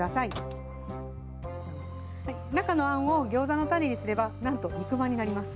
中のあんをギョーザのタネにすればなんと肉まんになります。